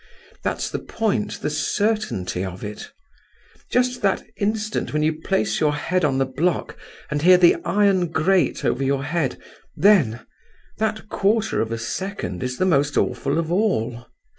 _ That's the point—the certainty of it. Just that instant when you place your head on the block and hear the iron grate over your head—then—that quarter of a second is the most awful of all.